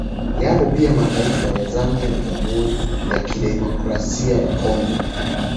Yapo pia mataifa ya Zambia na Jamhuri ya kidemokrasia ya Congo